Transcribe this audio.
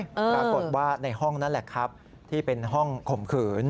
ปรากฏว่าในห้องนั่นแหละครับที่เป็นห้องข่มขืน